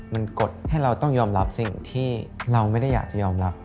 มันกดให้เราต้องยอมรับสิ่งที่เราไม่ได้อยากจะยอมรับ